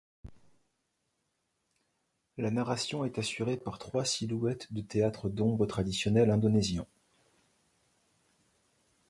La narration est assurée par trois silhouettes de théâtre d'ombres traditionnel indonésien.